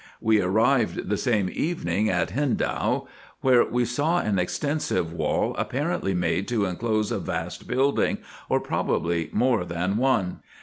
We arrived the same evening at Hindau, where we saw an extensive wall, apparently made to enclose a vast building, or pro bably more than one.